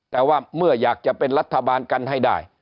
แต่ว่าเมื่ออยากจะเป็นรัฐบาลกันให้ได้